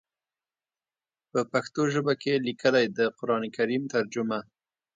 پۀ پښتو ژبه کښې ليکلی د قران کريم ترجمه